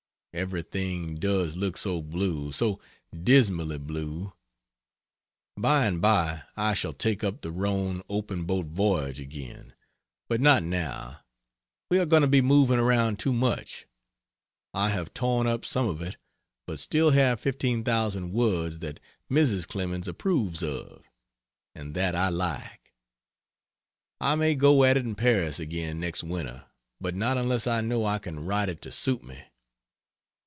Everything does look so blue, so dismally blue! By and by I shall take up the Rhone open boat voyage again, but not now we are going to be moving around too much. I have torn up some of it, but still have 15,000 words that Mrs. Clemens approves of, and that I like. I may go at it in Paris again next winter, but not unless I know I can write it to suit me.